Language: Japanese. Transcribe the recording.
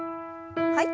はい。